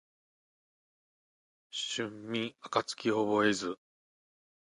春眠暁を覚えず